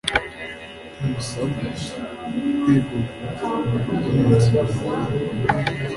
Ntimusabwa kwigomwa kurya iminsi mirongo ine